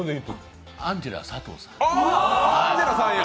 アンジェラ佐藤さん。